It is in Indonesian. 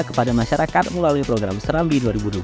kepada masyarakat melalui program serambi dua ribu dua puluh